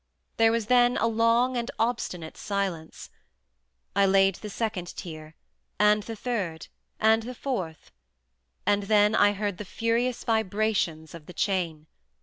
There was then a long and obstinate silence. I laid the second tier, and the third, and the fourth; and then I heard the furious vibrations of the chain.